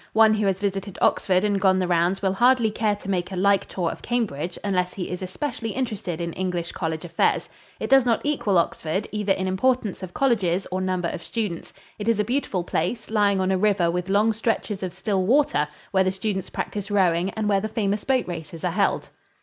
One who has visited Oxford and gone the rounds will hardly care to make a like tour of Cambridge unless he is especially interested in English college affairs. It does not equal Oxford, either in importance of colleges or number of students. It is a beautiful place, lying on a river with long stretches of still water where the students practice rowing and where the famous boat races are held.